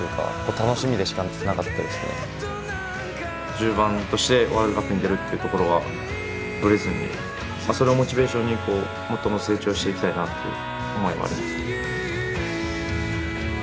１０番としてワールドカップに出るっていうところはブレずにそれをモチベーションにこうもっと成長していきたいなっていう思いもありますね。